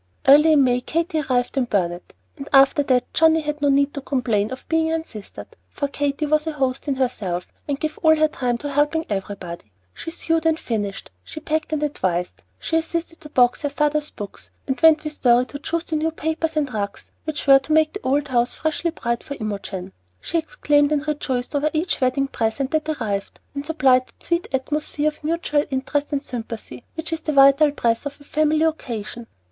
Early in May Katy arrived in Burnet; and after that Johnnie had no need to complain of being unsistered, for Katy was a host in herself, and gave all her time to helping everybody. She sewed and finished, she packed and advised, she assisted to box her father's books, and went with Dorry to choose the new papers and rugs which were to make the old house freshly bright for Imogen; she exclaimed and rejoiced over each wedding present that arrived, and supplied that sweet atmosphere of mutual interest and sympathy which is the vital breath of a family occasion.